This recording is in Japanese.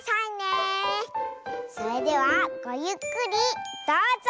それではごゆっくりどうぞ！